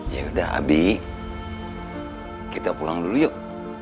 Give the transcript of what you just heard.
ya udah abis kita pulang dulu yuk